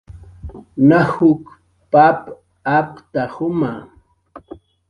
najukha papa apkta juma